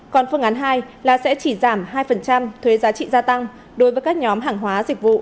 còn phương án hai là sẽ chỉ giảm hai thuế giá trị gia tăng đối với các nhóm hàng hóa dịch vụ